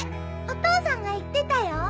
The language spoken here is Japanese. お父さんが言ってたよ。